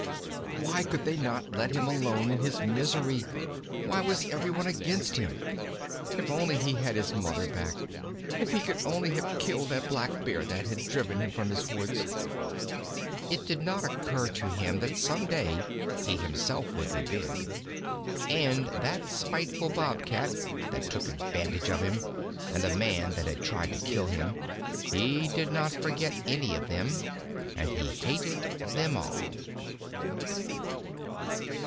Why could not they let him alone in his misery? Why was every one against him? If only he had his Mother back! If he could only have killed that Blackbear that had driven him from his woods! It did not occur to him that some day he himself would be big. And that spiteful Bobcat, that took advantage of him; and the man that had tried to kill him. He did not forget any of them, and he hated them all.